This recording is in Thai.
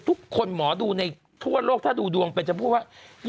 ทุกคนหมอดูในทั่วโลกถ้าดูดวงเป็นจะพูดว่า